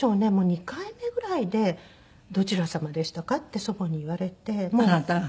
２回目ぐらいで「どちら様でしたか？」って祖母に言われて。あなたが？